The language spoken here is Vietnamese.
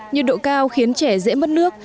như độ cao khiến trẻ dễ mất nước